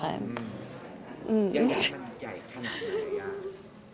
ยายะยะมันใหญ่ขนาดไหนอ่ะ